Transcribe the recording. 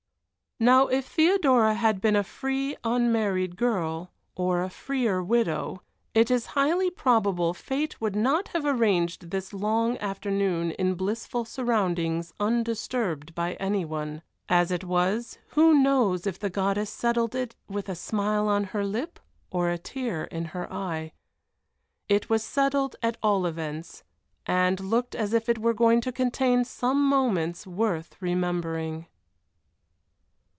Now if Theodora had been a free unmarried girl, or a freer widow, it is highly probable fate would not have arranged this long afternoon in blissful surroundings undisturbed by any one. As it was, who knows if the goddess settled it with a smile on her lip or a tear in her eye? It was settled, at all events, and looked as if it were going to contain some moments worth remembering.